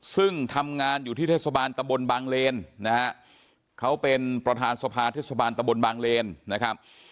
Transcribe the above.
ซึ่งทำงานอยู่ที่เทศบาลตะบนบางเลนนะฮะเขาเป็นประธานสภาเทศบาลตะบนบางเลนนะครับ